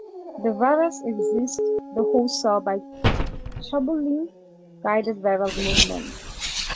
The virus exits the host cell by tubule-guided viral movement.